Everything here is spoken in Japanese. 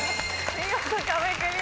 見事壁クリアです。